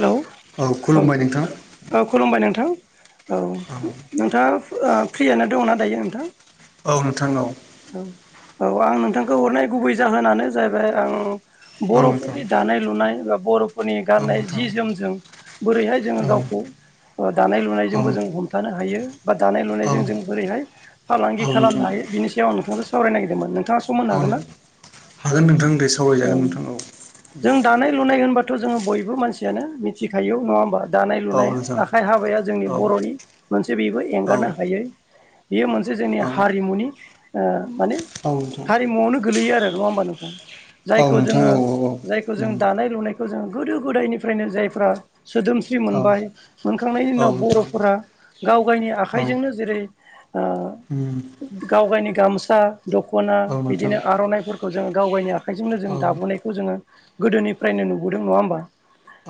हेल' औ खुलुमबाय नोंथां औ खुलुमबाय नोंथां। औ नोंथाङा ओ फ्रियानो दङना दायो नोंथां? औ नोंथां औ। औ आं नोंथांखौ हरनाय गुबै जाहोनानो जाहैबाय आं औ नोंथां बर'फोरनि दानाय लुनाय बर'फोरनि औ गाननाय नोंथां जि जोमजों बोरैहाय जोङो औ गावखौ दानाय औ लुनायजोंबो जों हमथानो हायो। बा दानाय औ लुनायजों जों बोरैहाय फालांगि औ नोंथां खालामनो हायो बिनि सायाव आं नोंथांजों सावरायनो नागिरदोंमोन नों थाङा सम होनो औ हागोन ना? हागोन नोंथां दे औ सावरायजागोन नोंथां जों दानाय लुनाय होनबा थ' जोङो बयबो मानसियानो मिथिखायो नङा होमबा? दानाय औ लुनाय नोंथां आखाइ हाबाया जोंनि औ बर'नि मोनसे बेबो औ एंगारनो हायै बेयो मोनसे जोंनि औ हारिमुनि ओ माने औ नोंथां हारिमुवावनो गोलैयो आरो‌ नङा होमबा नोंथां? औ जायखौ नोंथां जोङो औ औ जायखौ जों दानाय लुनाय खौ जों गोदो गोदायनिफ्रायनो जायफ्रा। सोदोमस्रि मोनबाय मोनखांनायनि उम औ उनाव नोंथां बर'फोरा गाव गायनि आखाइजोंनो जेरै ओ होम गावगायनि गामसा, दख'ना बिदिनो आर'नाइफोरखौ जोङो गाव गायनि आखाइजोंनो जों औ दाबोनायखौ जोङो गोदोनिफ्रायनो नुबोदों नङा होमबा?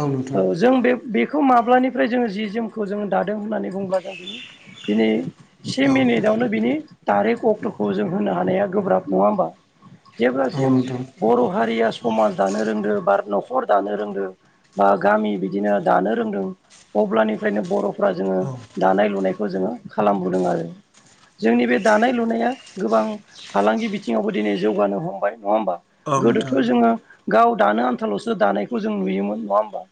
औ नोंथां ओ जों बे बे बेखौ माब्लानिफ्राय जोङो जि जोमखौ जोङो दादों होननानै बुङोब्ला जों बिनि दिनै से औ मिनिटावनो बिनि थारिख अक्ट'खौ जों होनो हानाया गोब्राब नङा होमबा? औ जेब्लासिम नोंथां बर' हारिया समाज दानो रोंदो बा न'खर दानो रोंदो बा गामि बिदिनो दानो रोंदों अब्लानिफ्रायनो बर'फ्रा जोङो औ दानाय लुनाय खौ जोङो खालामबोदों आरो। जोंनि बे दानाय लुनाया गोबां फालांगि बिथिङावबो दिनै जौगानो हमबाय। नङा होमबा? औ नोंथां गोदोथ' जोङो गाव दानो आन्थाल'सो दानायखौ जों नुयोमोन नङा होमबा?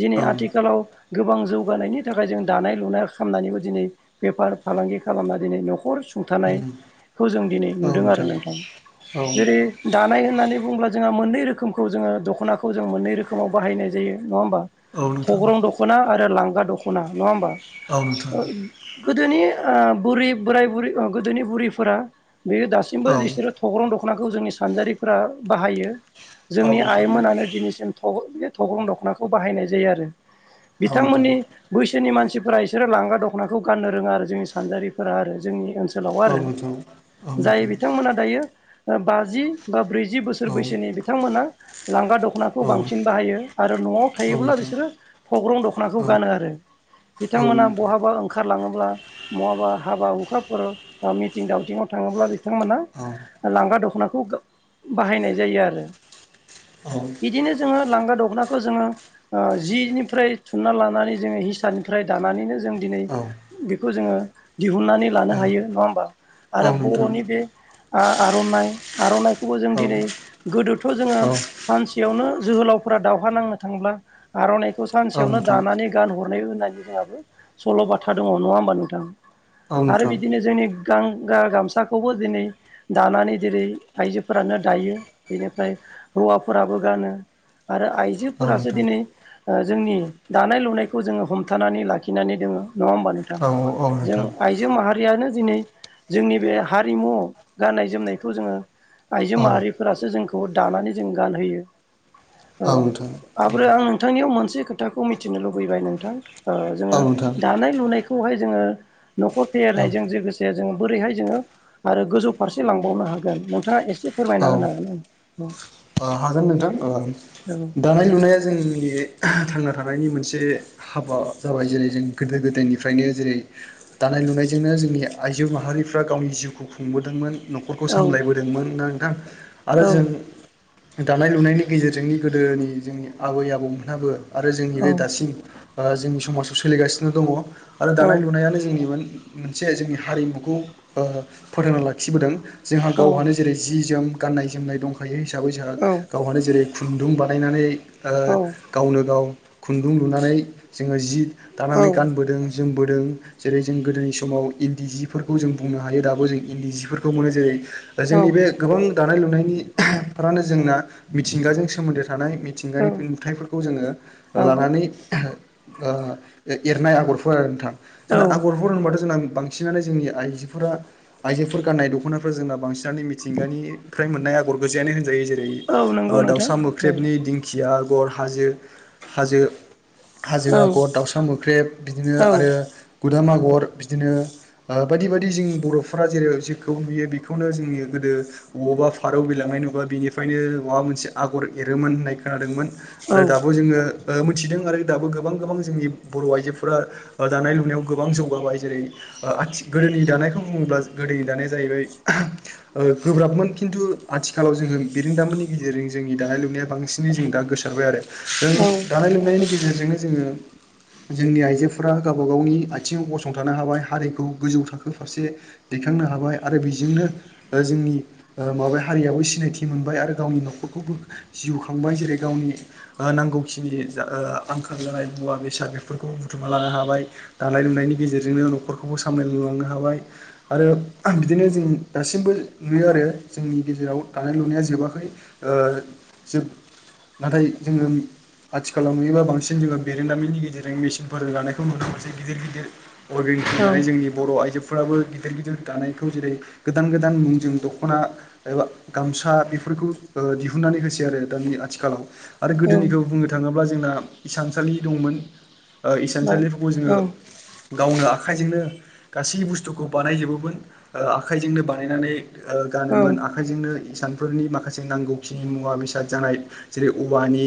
दिनै औ उम आथिखालाव गोबां जौगानायनि थाखाय जों दानाय लुनाय खालामनानैबो दिनै बेफार फालांगि खालामना दिनै न'खर। सुंथानायखौ जों दिनै नुदों आरो नोंथां औ जेरै दानाय होननानै बुंङोब्ला। जोंहा मोननै रोखोमखौ जोङो दख'नाखौ जों मोननै रोखोमाव बाहायनाय जायो नङा होमबा? औ नोंथां औ थग्रं दख'ना आरो लांगा दख'ना नङा होमबा? औ नोथां। गोदोनि बुरि बोराय बुरि गोदोनि बुरैफोरा बे दासिमबो औ बिसोरो थग्रं दख नाखौ जोंनि सानजारिफोरा बाहायो जोंनि नोंथां आइमोनानो दिनैसिम। थग्रं दख'नाखौ बाहायनाय जायो आरो औ नोंथां बिथांमोननि बैसोनि मानसि फोरा इसोरो लांगा दख'नाखौ गाननो रोङा आरो जोंनि सानजारिफोरा आरो जोंनि ओनसोल। लाव औ आरो नोंथां औ जाय नोंथां बिथांमोना दायो बाजि बा ब्रैजि बोसोर औ बैसोनि बिथांमोना लांगा दख'नाखौ औ बांसि न बाहायो आरो न'आव औ थायोब्ला नोंथां बिसोरो थग्रं दख'नाखौ औ गानो आरो। औ बिथांमोना नोंथां बहाबा ओंखारलाङोब्ला बहाबा हाबा हुखाफोराव बा मिथिं दावथिङाव थां। ङोब्ला बिथांमोना औ लांगा दख'नाखौ बाहायनाय जायो आरो। औ बिदिनो जोङो लांगा दखना। खौ जोङो जिनिफ्राय थुनना लानानै जोङो हिसानिफ्राय दानानैनो जों दिनै। औ बेखौ जोङो दिहुननानै लानो हायो नङा होमबा औ आरो नोंथां बर'नि बे आर'नाइ आर'नाइखौबो जों औ दिनै गोदोथ' जोङो सानसेयावनो जोहोलावफोरा दाव हा नांनो थांब्ला आर'नाइखौ औ सानसेयावनो नोंथां दानानै गान हर होनाय जोंहाबो सल' बाथ्रा दङ नङा होमबा नोंथां औ नोंथां औ आरो नोंथां बिदिनो जोंनि। गां गा गामसाखौबो दिनै दानानै जेरै आइजोफोरानो दायो बेनिफ्राय हौवाफोराबो गानो आरो आइ औ औ जोफोरासो नोंथां दिनै जोंनि दानाय लुनायखौ जोङो हमथानानै लाखिनानै दोङो नङा होमबा नोंथां। औ जों नोंथां आइजो माहा हारियानो दिनै जोंनि बे हारिमुआव गाननाय-जोमनायखौ जोङो। आइजो औ माहारिफोरासो जोंखौ दानानै जों गानहोयो। औ नोंथां। माब्रो आं नोंथांनियाव मोनसे खोथाखौ मिथिनो लुबैबाय नोंथां ओ जोङो दानाय-लुनायखौ। खौहाय जोङो न'खर फेहेरनायजों लोगोसे जोङो बोरैहाय जोङो आरो गोजौ फारसे लांबावनो हायो। हागोन नोंथाङा एसे फोरमायना होनामोन आं ओ हागोन नोंथां ओ दानाय-लुनाया जोंनि। थांना थानायनि मोनसे हाबा जाबाय जेरै जों गोदो गोदायनिफ्रायनो जेरै दानाय-लुनायजोंनो जोंनि आइजो माहारिफ्रा गावनि जिउखौ खुंबोदोंमोन। न'खरखौ औ औ सामलायबोदोंमोन ना नोंथां आरो औ जों दानाय-लुनायनि गेजेरजोंनि गोदोनि जोंनि आबै-आबौमोनाबो आरो जोंनि औ बे दासिम ओ जोंनि समाजाव सोलिगासिनो दङ'आरो दानाय-लुनायानो जोंनि। मोनसे जोंनि हारिमुखौ ओ फोथांना लाखिबोदों। जोंहा औ गावहानो जेरै जि जोम गाननाय-जोमनाय दंखायो हिसाबै जों औ गावहानो जेरै खुन्दुं बानायनानै ओ औ गावनो गाव खुन्दुं लुनानै जोङो जि दानानै गानबोदों जों बोदों जेरै जों गोदोनि समाव इन्दि जिफोरखौ जों बुंनो हायो दाबो जों इन्दि जिफोरखौ मोनो जेरै जोंनि बे गोबां दानाय-लुनायनिफ्रानो जोंना मिथिंगाजों सोमोन्दो थानाय मिथिंगानि नुथायफोरखौ जोङो औ लानानै ओ एरनाय आगरफोर आरो नोंथां औ जोंना आगरफोर होनबाथ' जोंना बांसिनानो जोंनि आइजोफोरा आइजोफोर गाननाय दख'नाफोरा जोंना बांसिन मिथिंगानिफ्राय मोननाय आगर गोजायानो होनजायो जेरै औ नंगौ ओ नोंथां दाउसा औ मोख्रेबनि दिंखिया आगर हाजो हाजो। हाजो औ आगर, दाउसा मोख्रेब बिदिनो औ आरो गुदाम आग गर बिदिनो ओ बायदि बायदि जों बर'फोरा जेरै जेखौ नुयो बेखौनो जोंनि गोदो अबावबा फारौ बिरलांनाय नङा बिनिफ्रायनो माबा मोनसे आगर एरोमोन होननाय खोनादोंमोन औ आरो दाबो जोङो ओ मोथिदों आरो दाबो गोबां गोबां जोंनि बर' आइजोफोरा ओ दानाय-लुनायाव गोबां जौगाबाय जेरै ओ आथिगोलनि जानायखौ बुङोब्ला गोदोनि जानाया जाहैबाय ओ गोब्राबमोन खिन्थु आथिखालाव जोङो बिरोंदामिननि गेजेरजों जोंनि दानाय-लुनाया बांसिनै जों दा गोसारबाय आरो जों दानाय-लुनायनि गेजेरजों जोङो जोंनि आइजोफोरा गावबा गावनि आथिङाव गसंथानो हाबाय हारिखौ गोजौ थाखो फारसे दै दैखांनो हाबाय आरो बेजोंनो ओ जोंनि ओ माबा हारियाबो सिनायथि मोनबाय आरो गावनि न'खरखौबो जिउ खांबाय जेरै गावनि ओ नांगौखिनि ओ आंखाल जानाय मुवा-बेसाद बेफोरखौ बुथुमना लानो हाबाय दानाय-लुनायनि गेजेरजोंनो न'खरखौबो सामलाय लांनो हाबाय आरो बिदिनो जों दासिमबो नुयो आरो जोंनि गेजेराव दानाय-लुनाया जोबाखै ओ जोब नाथाय जोङो आथिखालाव नुयोबा बांसिन जोंहा बिरोंदामिननि गेजेरजों मिसिनफोरजों दानायखौ नुनो मोनसे गिदिर गिदिर [unintelligible] औ जोंनि बर' आइजो फोराबो गिदिर गिदिर दानायखौ जेरै गोदान गोदान मुंजों दख'ना एबा गामसा बेफोरखौ ओ दिहुननानै होसै आरो दानि आथिखालाव आरो गोदोनिखौ बुंनो थाङोब्ला जों जोंना इसानसालि दंमोन इसानसालिफोरखौ जोङो गावनो आखा आखाइजोंनो गासै बुस्थुखौ बानायजोबोमोन आखाइजोंनो बानायनानै ओ गानोमोन आखाइजोंनो इसानफोरनि माखासे जों नांगौखिनि मुवा-बेसाद जानाय जेरै औवानि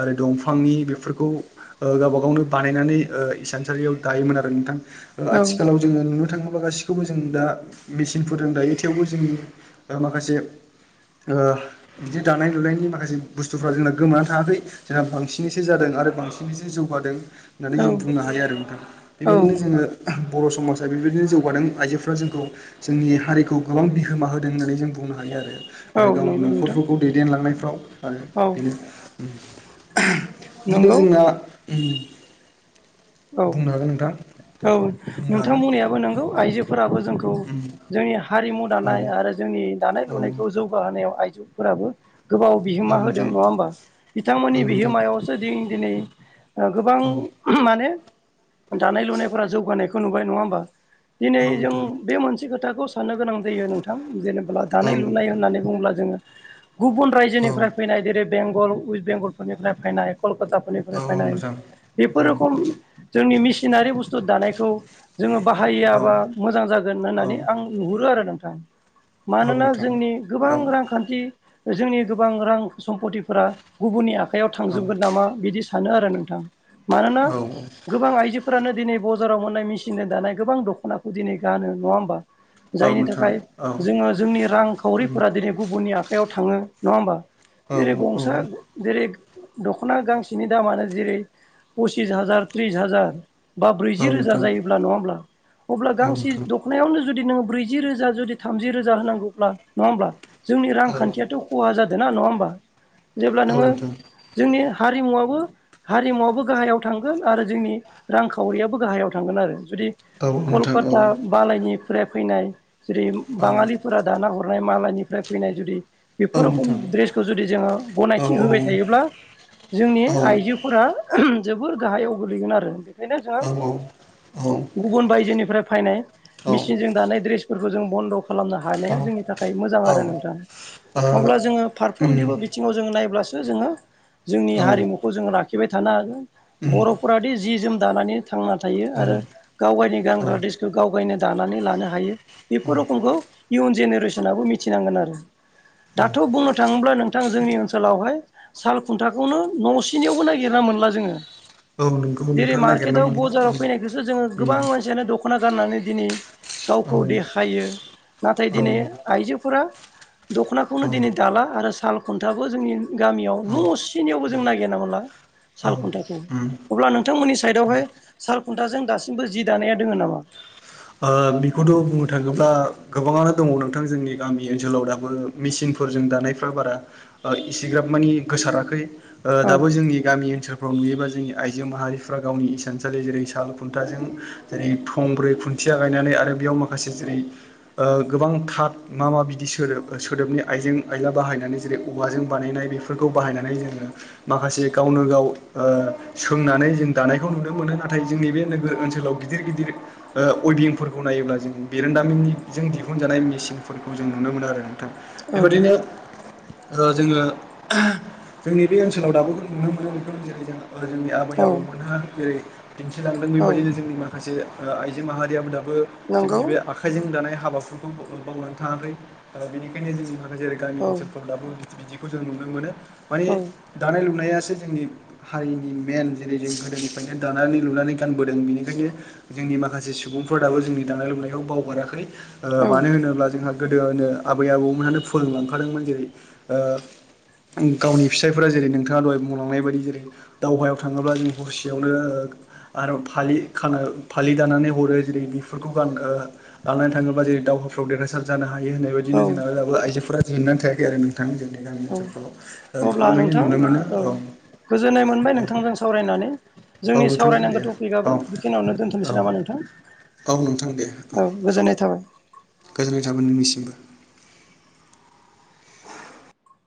आरो दंफांनि बेफोरखौ ओ गावबा गावनो बानायनानै ओ इसानसालियाव दायोमोन आरो नोंथां आथिखालाव जोङो नुनो थाङो गासिखौबो जों दा मेचिसिनफोजों दायो थेवबो जोंनि माखासे बिदि दानाय लुनायनि माखासे बुस्थुफ्रा जोंना गोमानानै थाङाखै जोंहा बांसिनैसो जादों आरो बांसिन बांसिन बिसो जौगादों होननानै औ जों बुंनो हायो आरो नोंथां औ बेबायदिनो जोङो बर' समाजा बेबायदिनो जौगादों आइजोफ्रा जोंखौ जोंनि हारिखौ गोबां बिहोमा होदों होननानै जों बुंनो हायो आरो औ आरो गावनि नंगौ नोंथां न'खरफोरखौ दैदेनलांनायफ्राव आरो औ बेनो बिदिनो नंगौ जोंना औ बुंनो हागोन नोंथां औ बुंनो नोंथां हागोन बुंनायाबो नंगौ आइजोफोराबो जोंखौ जोंनि हारिमु औ दानाय आरो जोंनि दानाय औ लुनायखौ जौगाहोनायाव आइ जोफोराबो गोबाव औ बिहोमा होदों नोंथां नङा होमबा औ बिथांमोननि नोंथां बिहोमायावसो दि दिनै गोबां औ माने दानाय लुनायफोरा जौगानायखौ नुबाय नङा होमबा दिनै औ नोंथां जों बे मोनसे खोथाखौ साननो गोनां जायो नोंथां जेनेबा औ दानाय लुनाय होननानै बुङोब्ला जोङो गुबुन रायजोनिफ्राय फैनाय जेरै बेंगल वेस्ट बेंगलफोरनिफ्राय फैनाय कलकाताफोरनिफ्राय औ औ फैनाय नोंथां बेफोर रोखोम जोंनि मेसिनारि बुस्थु दानायखौ जोङो औ बाहायाबा मोजां जागोन औ होननानै आं नुहुरो आरो नोंथां औ मानोना नोंथां जोंनि औ गोबां रांखान्थि जोंनि गोबां रां सम्पथिफोरा गुबुननि आखाइयाव औ थांजोबगोन नामा बिदि सानो आरो नोंथां। मानोना औ औ गोबां आइजोफोरानो दिनै बजाराव मोननाय मेसिनजों दानाय गोबां दखनाखौ दिनै गानो नङा होमबा औ जायनि नोंथां थाखाय औ जोङो जोंनि रांखावरिफोरा दिनै गुबुननि आखायाव याव थाङो नङा होमबा औ जेरै औ गंसा जेरै दख'ना गांसेनि दामानो जेरै पसिस हाजार थ्रिस हाजार बा औ ब्रैजि रोजा नोंथां जायोब्ला नङाब्ला अब्ला औ नोंथां औ गांसे नोंथां दख'नायावनो जुदि नोङो ब्रैजि रोजा थामजि रोजा होनांगौब्ला नङाहोब्ला जोंनि औ रांखान्थियाथ खहा जादों दो ना नङा होमबा जेब्ला औ नोङो नोंथां जोंनि हारिमुवाबो हारिमुवाबो गाहायाव थांगोन आरो जोंनि रांखावरियाबो गाहायाव थांगोन आरो जुदि औ नोंथां औ कलकाता मालायनिफ्राय फैनाय जेरै औ बाङालिफोरा दाना हर हरनाय मालायनिफ्राय फैनाय जुदि। बेफोर औ रोखम औ ड्रेसखौ जुदि जोङो गनायथि होबाय थायोब्ला। औ औ जोंनि आइजोफोरा जोबोर गाहायाव गोलैगोन आरो बेखायनो जोङो गुबुन बायजोनिफ्राय। फायनाय औ मेसिनजों दानाय ड्रेसफोरखौ जों बन्द खालामनो हानाया जोंनि थाखाय मोजां ओ आरो नोंथाङा। अब्ला जोङो उम फारफ्रोमनिबो औ बिथिङाव जोङो नायब्लासो। जोङो जोंनि हारिमुखौ जोङो लाखिबाय थानो हागोन उम बर'। जि जोम दानानै थांना थायो औ आरो गाव गायनि औ गानग्रा द्रेसखौ गाव गायनो दानानै लानो हायो। औ बेफोर रोखमखौ इयुन जेनेरेसनाबो मिथिनांगोन आरो। दाथ बुंनो थाङोब्ला नोंथां जोंनि ओनसोलावहाय। साल खुन्थाखौनो न'सेनियावबो नागिरना मोनला जोङो। औ नोंगौ जेरै नोंथां नागिरना मार्केटआव मोनला उम बाजाराव फैनायखौसो जोङो उम गोबां मानसिानो दखना गारनानै दिनै औ गावखौ देखायो नाथाय औ दिनै आइजोफोरा। औ दखनाखौनो दिनै दाला आरो साल खुन्थाबो जोंनि। गामियाव न' सिनियावबो जों नागिरनाा मोनला औ साल खुन्थाखौ। उम अब्ला नोंथांमोननि साइदावहाय साल खुन्थाजों दासिमबो जि दानाया दोङ नामा? बेखौथ बुंनो थाङोब्ला। गोबाङानो दङ नोंथां जोंनि गामि ओनसोलाव दाबो मेसििनफोरजों दानायफ्रा बारा इसिग्राब मोन माने गोसाराखै दाबो औ जोंनि गामि ओनसोलफोराव। नुयोबा जोंनि आइजो माहारिफ्रा गावनि इसानसालि जेरै साल खुन्थाजों जेरै थंब्रै खु खुथिया गायनानै आरो बेयाव माखासे जेरै गोबां थाद मा मा बिदि सोदोब सोदोबनि आइ आइजों आइला बनानै जेरै औवाजों बानायनाय बे बाहायनानै जोङो माखासे गावनो गाव सोंनानै जों दानायखौ नुनो मोनो नाथाय जोंनि बे नोगोर ओनसोलाव गिदिर गिदिर उइबिंफोरखौ नायोब्ला जों बिरोंदामिननिजों दिहुनजानाय मेसिनफोरखौ जों नुनो मोनो आरो। बेबायदिनो जोङो जोंनि बे ओनसोलाव दाबो नुनो मोनो बेखौ जेरै जोंहा। जोंनि आबै औ आबौमोनहा जेरै दिन्थिलांदों औ बेबायदिनो जोंनि माखासे आइजो माहारियाबो दं। जोंनि नंगौ बे आखाइजों दानाय हाबाफोरखौ बावनानै थाङाखै बेनिखायनो जों जेरै गामि औ ओनसोलफोरब्लाबो बिदिखौ जों नुनो मोनो माने औ दानाय लुनाया। जोंनि हारिनि मेन जेरै जों गोदोनिफ्रायनो दानानै लुनानै गानबोदों बेनिखायनो जोंनि माखासे। से सुबुंफोरादाबो जोंनि दानाय लुनायखौ बावगाराखै औ मानो होनोब्ला जोंहा। गोदोनो आबै आबौमोनहानो फोरोंलांखादोंमोन जेरै गावनि फिसायफोरा जेरै नोंथाङा दहाय बुंलांनाय बायदि जेरै दावहायाव थाङोब्ला जों हरसेयावनो। फालि खानानै फालि दानानै। हरो जेरै बेफोरखौ ग लानानै थाङोब्ला जेरै दावहाफ्राव देरहासार जानो हायो। बे होननाय बायदिनो औ जोंना आइजोफोरा जेननानै थायाखै आरो नोंथां। जोंनि गामि औ ओनसोलफ्राव अब्ला गोबाङैनो नोंथां नुनो मोनो। औ गोजोननाय मोनबाय नोंथांजों सावरायनानै औ जोंनि नोंथां दे सावरायनांगौ औ टपिकआबो बेखिनियावनो औ दोनथ'नोसै नामा नोंथां। औ नोंथां दे औ। गोजोननाय औ। गोजोननाय थाबाय नोंनिसिमबो।